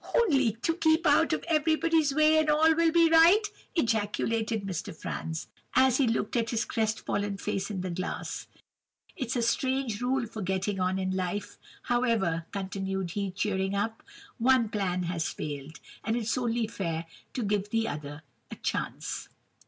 "'Only to keep out of everybody's way, and all will be right,' ejaculated Mr. Franz, as he looked at his crest fallen face in the glass. 'It's a strange rule for getting on in life! However,' continued he, cheering up, 'one plan has failed, and it's only fair to give the other a chance!